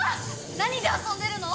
何で遊んでるの？